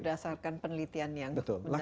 berdasarkan penelitian yang mendalam